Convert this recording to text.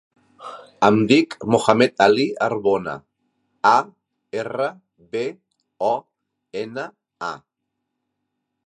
Em dic Mohamed ali Arbona: a, erra, be, o, ena, a.